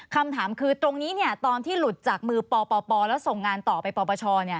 คำถามคือตรงนี้ตอนที่หลุดจากมือปปแล้วส่งงานต่อไปปปช